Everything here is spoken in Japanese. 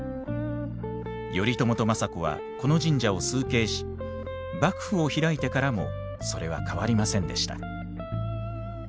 頼朝と政子はこの神社を崇敬し幕府を開いてからもそれは変わりませんでした。